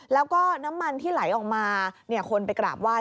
แล้วก็น้ำมันที่ไหลออกมาคนไปกราบไห้